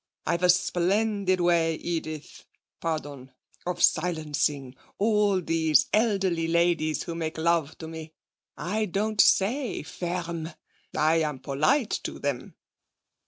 I've a splendid way, Edith (pardon), of silencing all these elderly ladies who make love to me. I don't say "Ferme!" I'm polite to them.'